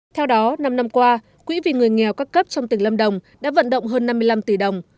theo đó năm năm qua quỹ vì người nghèo các cấp trong tỉnh lâm đồng đã vận động hơn năm mươi năm tỷ đồng